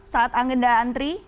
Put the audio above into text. saat anggenda antri